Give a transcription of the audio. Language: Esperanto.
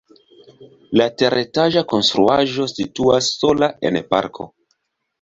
La teretaĝa konstruaĵo situas sola en parko.